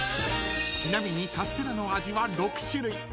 ［ちなみにカステラの味は６種類］